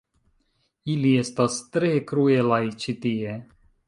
Ili estas tre kruelaj ĉi tie